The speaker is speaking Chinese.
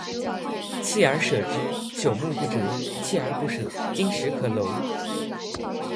锲而舍之，朽木不折；锲而不舍，金石可镂。